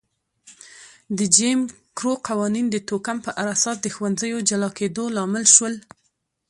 د جیم کرو قوانین د توکم پر اساس د ښوونځیو جلا کېدو لامل شول.